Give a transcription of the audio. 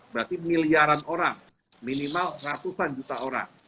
berarti miliaran orang minimal ratusan juta orang